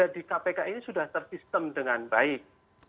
di kpk ini sudah tersistem dengan baik